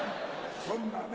そんなね